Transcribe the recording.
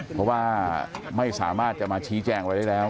เพราะว่าไม่สามารถจะมาชี้แจงอะไรได้แล้ว